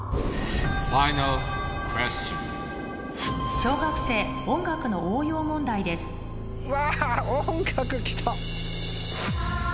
小学生音楽の応用問題ですうわ。